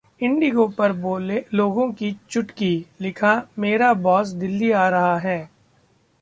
Indigo पर लोगों की चुटकी, लिखा- 'मेरा बॉस दिल्ली आ रहा है....'